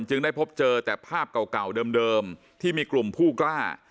ได้พบเจอแต่ภาพเก่าเดิมที่มีกลุ่มผู้กล้า